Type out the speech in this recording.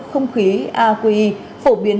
không khí aqi phổ biến